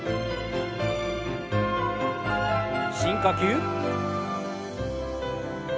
深呼吸。